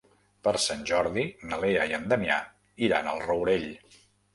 Per Sant Jordi na Lea i en Damià iran al Rourell.